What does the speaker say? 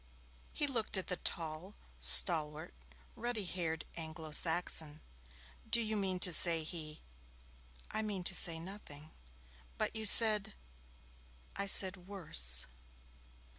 He looked at the tall, stalwart, ruddy haired Anglo Saxon. 'Do you mean to say he ?' 'I mean to say nothing.' 'But you said ' 'I said "worse".'